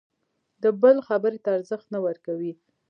د بل خبرې ته ارزښت نه ورکوي.